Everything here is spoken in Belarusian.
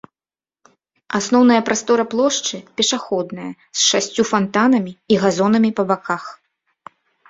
Асноўная прастора плошчы пешаходная, з шасцю фантанамі і газонамі па баках.